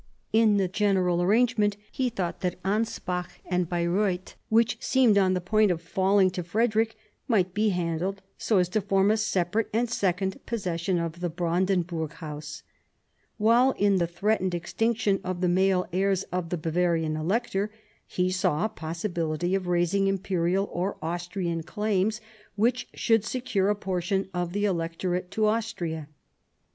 In the general arrangement he thought that Anspach and Baireuth, which seemed on the point of falling to Frederick, might be handled so as to form a separate and second possession of the Brandenburg House ; while in the threatened extinction of the male heirs of the Bavarian Elector he saw a possibility of raising Imperial or Austrian claims which should secure a portion of the Electorate to Austria.